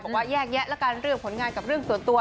บอกว่าแยกแยะละกันเรื่องผลงานกับเรื่องส่วนตัว